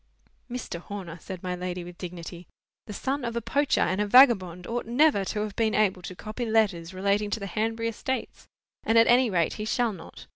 "Mr. Horner," said my lady, with dignity, "the son of a poacher and vagabond ought never to have been able to copy letters relating to the Hanbury estates; and, at any rate, he shall not.